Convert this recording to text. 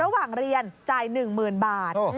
ระหว่างเรียนจ่าย๑๐๐๐บาท